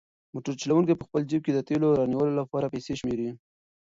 موټر چلونکی په خپل جېب کې د تېلو د رانیولو لپاره پیسې شمېري.